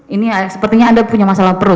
ini sepertinya anda punya masalah perlu